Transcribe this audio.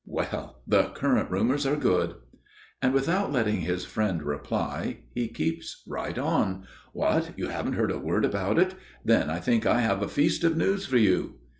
Well! the current rumors are good." And without letting his friend reply, he keeps right on: "What! you haven't heard a word about it! Then I think I have a feast of news for you."